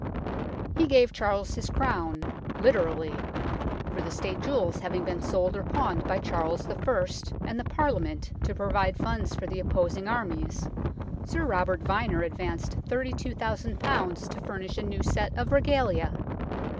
He gave Charles his Crown literally, for the State jewels having been sold or pawned by Charles I. and the Parliament to provide funds for the opposing armies, Sir Robert Vyner advanced 32,000 to furnish a new set of regalia.